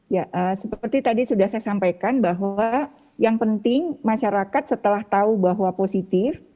ya seperti tadi sudah saya sampaikan bahwa yang penting masyarakat setelah tahu bahwa positif